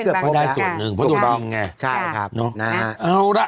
เกือบครบได้ส่วนหนึ่งเพราะถูกต้องไงใช่ครับเนอะนะฮะเอาละ